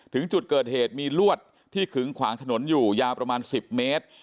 ถึงจุดเกิดเหตุมีลวดที่ขึงขวางถนนอยู่ยาวประมาณ๑๐เมตร